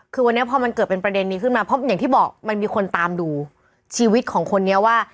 คือวันนี้พอมันเกิดเป็นประเด็นนี้ขึ้นมาเพราะอย่างที่บอกมันมีคนตามดูชีวิตของคนนี้ว่า